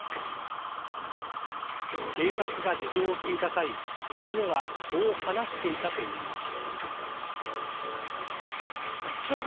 警察が事情を聴いた際娘はこう話していたといいます。